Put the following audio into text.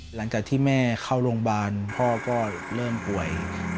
หลังจากที่แม่เข้าโรงพยาบาลพ่อก็เริ่มป่วย